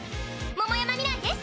桃山みらいです！